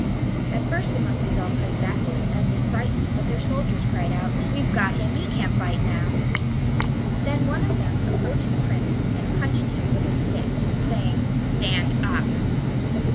At first the monkeys all pressed backward, as if frightened, but their soldiers cried out: "We've got him; he can't bite now." Then one of them approached the Prince and punched him with a stick, saying, "Stand up!"